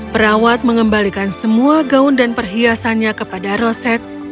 perawat mengembalikan semua gaun dan perhiasannya kepada roset